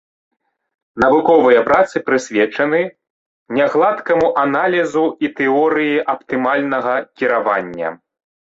Навуковыя працы прысвечаны нягладкаму аналізу і тэорыі аптымальнага кіравання.